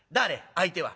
相手は。